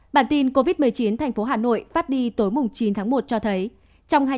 bản tin covid một mươi chín thành phố hà nội phát đi tối chín tháng một cho thấy trong